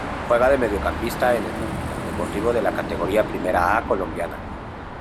Juega de mediocampista en el Cúcuta Deportivo de la Categoría Primera A colombiana.